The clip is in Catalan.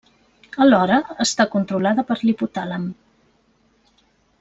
Alhora, està controlada per l'hipotàlem.